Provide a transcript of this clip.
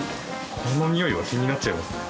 このにおいは気になっちゃいますね。